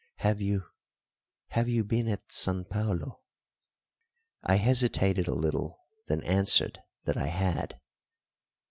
Have you have you been at San Paulo?" I hesitated a little, then answered that I had.